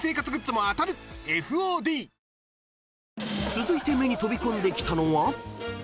［続いて目に飛び込んできたのは］